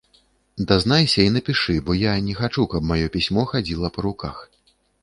Дазнайся і напішы, бо я не хачу, каб маё пісьмо хадзіла па руках.